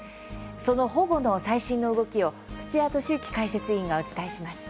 その保護の最新の動きを土屋敏之解説委員がお伝えします。